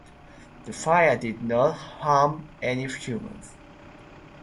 The fire did not harm any humans.